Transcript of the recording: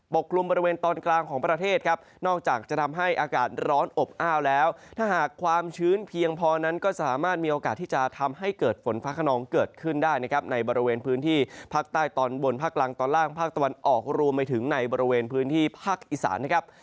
กลุ่มบริเวณตอนกลางของประเทศครับนอกจากจะทำให้อากาศร้อนอบอ้าวแล้วถ้าหากความชื้นเพียงพอนั้นก็สามารถมีโอกาสที่จะทำให้เกิดฝนฟ้าขนองเกิดขึ้นได้นะครับในบริเวณพื้นที่ภาคใต้ตอนบนภาคกลางตอนล่างภาคตะวันออกรวมไปถึงในบริเวณพื้นที่ภาคอีสานนะครับ